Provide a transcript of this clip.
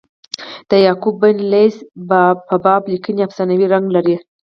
د یعقوب بن لیث په باب لیکني افسانوي رنګ لري.